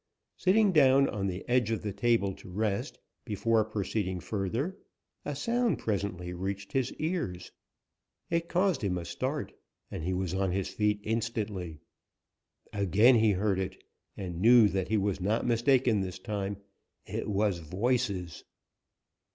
Sitting down on the edge of the table to rest, before proceeding further, a sound presently reached his ears. It caused him a start, and he was on his feet instantly. Again he heard it, and knew that he was not mistaken this time; it was voices.